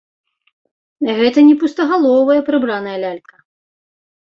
Гэта не пустагаловая прыбраная лялька.